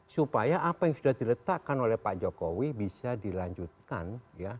supaya apa yang sudah diletakkan oleh pak jokowi bisa dilanjutkan ya